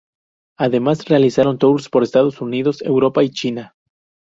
Además, realizaron tours por Estados Unidos, Europa y China.